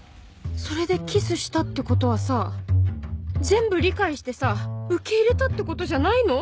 それでキスしたって事はさ全部理解してさ受け入れたって事じゃないの！？